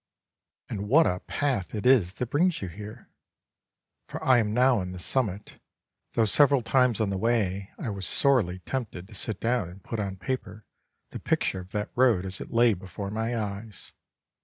And what a path it is that brings you here! For I am now on the summit, though several times on the way I was sorely tempted to sit down and put on paper the picture of that road as it lay before my eyes.